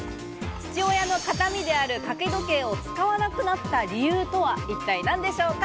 父親の形見である掛け時計を使わなくなった理由とは一体何でしょうか？